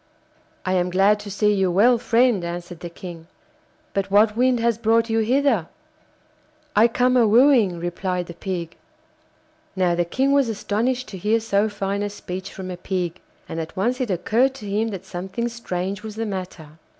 'I am glad to see you well, friend,' answered the King, 'but what wind has brought you hither?' 'I come a wooing,' replied the Pig. Now the King was astonished to hear so fine a speech from a Pig, and at once it occurred to him that something strange was the matter.